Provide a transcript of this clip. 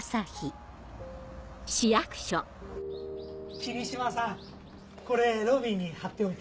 ・霧島さん・これロビーに張っておいて。